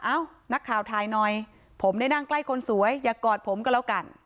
นักข่าวถ่ายหน่อยผมได้นั่งใกล้คนสวยอย่ากอดผมก็แล้วกัน